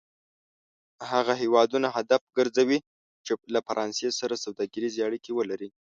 هغه هېوادونه هدف کرځوي چې له فرانسې سره سوداګریزې اړیکې ولري.